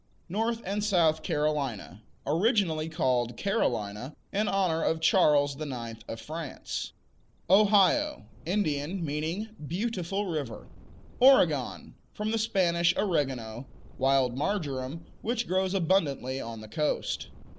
North and South Carolina Originally called Carolina, in honor of Charles IX. of France. Ohio Indian; meaning "beautiful river." Oregon From the Spanish "oregano," wild marjoram, which grows abundantly on the coast.